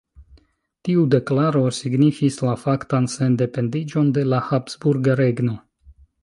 Tiu deklaro signifis la faktan sendependiĝon de la habsburga regno.